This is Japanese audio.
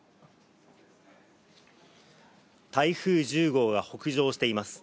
台風１０号が北上しています。